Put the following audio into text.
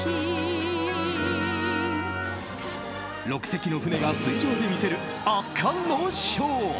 ６隻の船が水上で魅せる圧巻のショー。